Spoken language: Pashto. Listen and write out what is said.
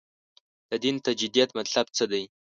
د دین تجدید مطلب څه دی.